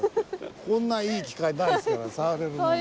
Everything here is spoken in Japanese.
こんないい機会ないですから触れるもんなら。